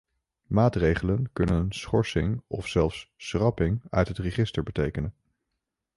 Maatregelen kunnen schorsing of zelfs schrapping uit het register betekenen.